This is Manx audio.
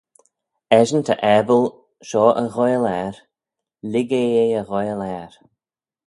Eshyn ta abyl shoh y ghoaill er, lhig eh eh y ghoaill er.